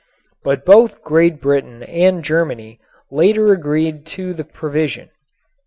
But both Great Britain and Germany later agreed to the provision.